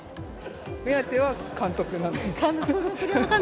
目当ては監督なんですけど。